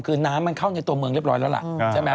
คือน้ำเข้าในตัวเมืองเรียบร้อยแล้วหล่ะ